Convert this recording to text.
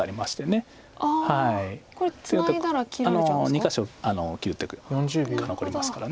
２か所切る手が残りますから。